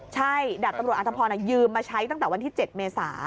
ใช่ดาบตำรวจอธพรยืมมาใช้ตั้งแต่วันที่๗เมษา